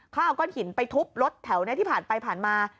เขาเอาก้อนหินไปทุบรถแถวนี้ที่ผ่านไปผ่านมา